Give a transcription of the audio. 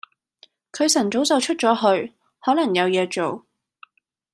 佢晨早就出咗去，可能有嘢做